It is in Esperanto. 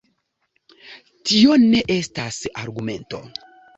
Tio ne estas argumento.